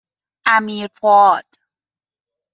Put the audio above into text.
امیرفؤاد